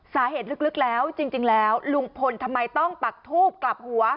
สาเหตุลึกแล้วจริงแล้วลุงพลทำไมต้องปักทูบกลับหัว